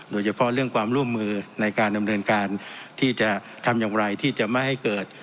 โดยเฉพาะเรื่องความร่วมมือในการดำเนินการที่จะทำอย่างไรที่จะไม่ให้เกิด